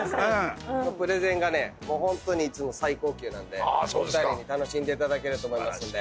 プレゼンがねもうホントにいつも最高級なんでお二人に楽しんでもらえると思いますんで。